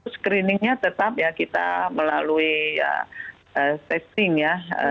screening nya tetap ya kita melalui testing ya